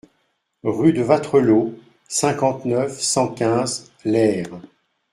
Rue de Wattrelos, cinquante-neuf, cent quinze Leers